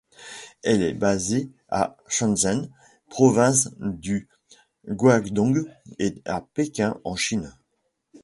Elle est basée à Shenzhen, province du Guangdong et à Pékin, en Chine.